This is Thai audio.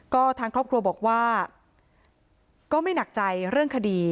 ก็ทางครอบครัวบอกว่าก็ไม่หนักใจเรื่องคดี